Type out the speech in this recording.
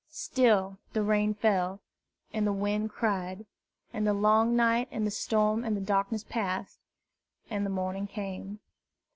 Still the rain fell, and the wind cried; and the long night and the storm and the darkness passed, and the morning came.